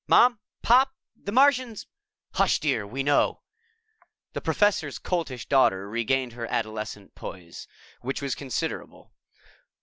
"Mom, Pop, the Martian's " "Hush, dear. We know." The Professor's Coltish Daughter regained her adolescent poise, which was considerable.